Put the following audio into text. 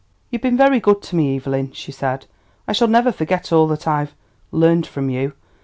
"You've been very good to me, Evelyn," she said. "I shall never forget all that I've learned from you.